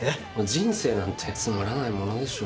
人生なんてつまらないものでしょ。